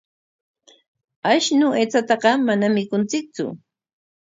Ashnu aychataqa manam mikunchiktsu.